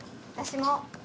私も。